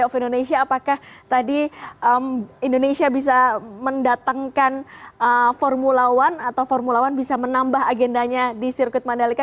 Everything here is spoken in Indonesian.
of indonesia apakah tadi indonesia bisa mendatangkan formula one atau formula one bisa menambah agendanya di sirkuit mandalika